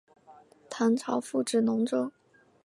唐朝复置龙州。